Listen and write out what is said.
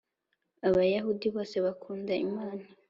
Abayahudi bose bakunda imana.